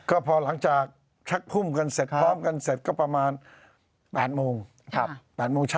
ก็พอหลังจากชักคุมกันเสร็จพร้อมกันเสร็จก็ประมาณ๘โมงเช้า